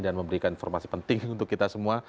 dan memberikan informasi penting untuk kita semua